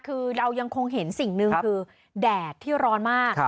คือเรายังคงเห็นสิ่งหนึ่งคือแดดที่ร้อนมาก